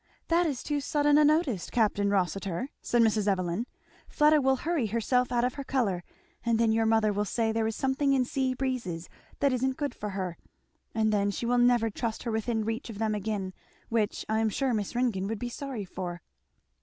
"That is too sudden a notice, Capt. Rossitur," said Mrs. Evelyn. "Fleda will hurry herself out of her colour, and then your mother will say there is something in sea breezes that isn't good for her; and then she will never trust her within reach of them again, which I am sure Miss Ringgan would be sorry for."